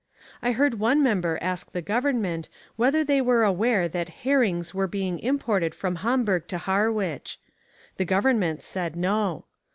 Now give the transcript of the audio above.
I heard one member ask the government whether they were aware that herrings were being imported from Hamburg to Harwich. The government said no.